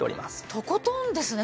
とことんですね